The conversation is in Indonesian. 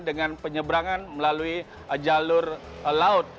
dengan penyeberangan melalui jalur laut